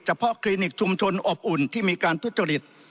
เพาะคลินิกชุมชนอบอุ่นที่มีการทุจริต